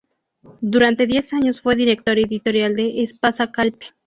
Durante diez años fue director editorial de Espasa Calpe.